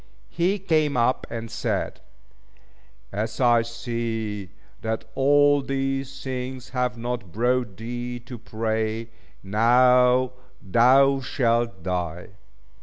He came up and said "As I see that all these things have not brought thee to pray, now thou shalt die."